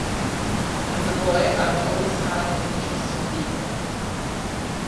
As a boy, I'd always had an interest in theatre.